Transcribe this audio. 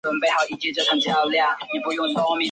现为奥克兰运动家的后援投手。